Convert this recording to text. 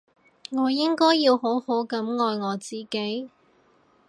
我應該要好好噉愛我自己